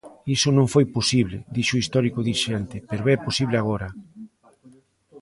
"Iso non foi posible", dixo o histórico dirixente, pero "é posible agora".